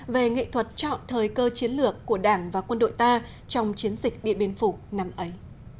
về nghệ thuật chọn thời cơ chiến lược của đảng và quân đội ta trong chiến dịch điện biên phủ năm ấy